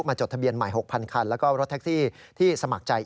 จดทะเบียนใหม่๖๐๐คันแล้วก็รถแท็กซี่ที่สมัครใจ